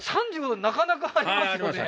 ３５度なかなかありますよね